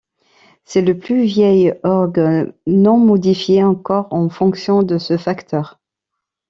C'est le plus vieil orgue non modifié encore en fonction de ce facteur.